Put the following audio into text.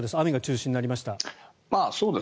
雨が中心になりました。